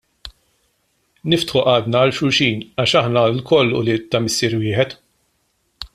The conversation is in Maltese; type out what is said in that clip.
Niftħu qalbna għal xulxin, għax aħna lkoll ulied ta' Missier wieħed.